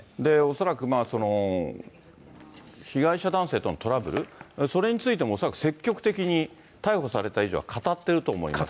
恐らく、被害者男性とのトラブル、それについても恐らく積極的に逮捕された以上は語っていると思いますので。